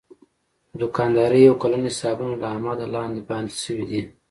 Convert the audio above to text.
د دوکاندارۍ یو کلن حسابونه له احمده لاندې باندې شوي دي.